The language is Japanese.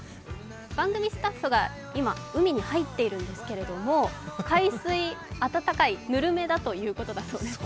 番組スタッフが今、海に入っているんですけれども海水、温かい、ぬるめだということです。